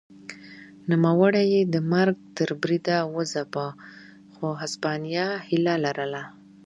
نوموړی یې د مرګ تر بریده وځپه خو هسپانیا هیله لرله.